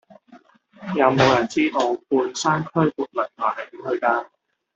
有無人知道半山區活倫台係點去㗎